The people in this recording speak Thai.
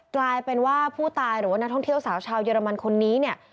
กลายเป็นว่าผู้ตายหรือว่านักท่องเที่ยวสาวชาวเยอรมันคนนี้เนี่ย